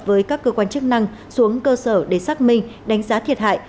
với các cơ quan chức năng xuống cơ sở để xác minh đánh giá thiệt hại